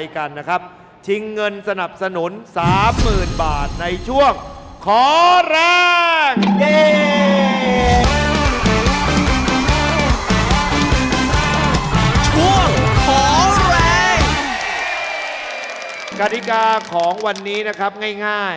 กติกาของวันนี้นะครับง่าย